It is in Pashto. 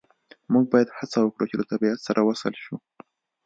موږ باید هڅه وکړو چې له طبیعت سره وصل شو